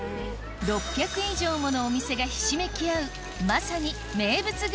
６００以上ものお店がひしめき合う